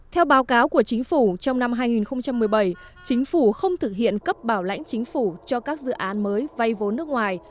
theo báo cáo của chính phủ trong năm hai nghìn một mươi bảy chính phủ không thực hiện cấp bảo lãnh chính phủ cho các dự án mới vay vốn nước ngoài